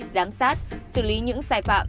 giám sát xử lý những sai phạm